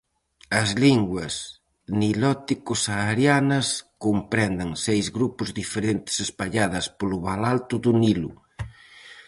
As linguas nilótico-saharianas comprenden seis grupos diferentes espalladas polo val alto do Nilo.